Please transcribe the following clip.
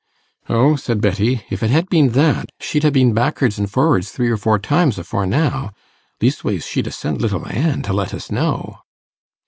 'O,' said Betty, 'if it had been that, she'd ha' been back'ards an' for'ards three or four times afore now; leastways, she'd ha' sent little Ann to let us know.